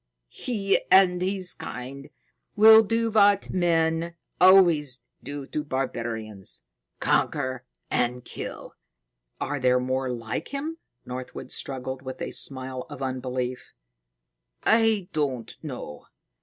He and his kind will do what men always do to barbarians conquer and kill." "Are there more like him?" Northwood struggled with a smile of unbelief. "I don't know.